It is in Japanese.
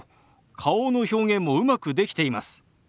顔の表現もうまくできています。